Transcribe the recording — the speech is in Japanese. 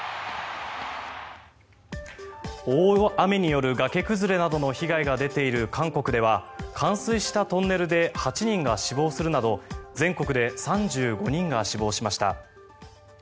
大雨による崖崩れなどの被害が出ている韓国では冠水したトンネルで８人が死亡するなど全国で３５人が死亡しました。